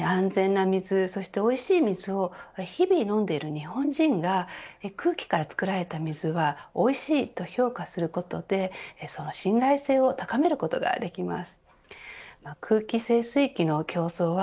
安全な水そしておいしい水を日々飲んでいる日本人が空気から作られた水はおいしいと評価することでその信頼性を高めることができます。